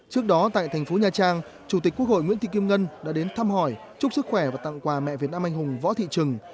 trước đó tại thành phố nha trang chủ tịch quốc hội nguyễn thị kim ngân đã đến thăm hỏi chúc sức khỏe và tặng quà mẹ việt nam anh hùng võ thị trường